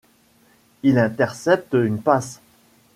Il intercepte une passe.